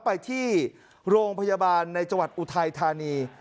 ไปที่โรงพยาบาลในจังหวัดอุทัยธานี